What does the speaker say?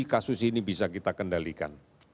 kasus ini bisa kita kendalikan